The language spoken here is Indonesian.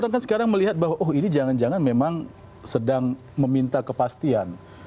kan sekarang melihat bahwa oh ini jangan jangan memang sedang meminta kepastian